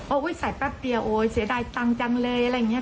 ใส่แป๊บเดียวโอ๊ยเสียดายตังค์จังเลยอะไรอย่างนี้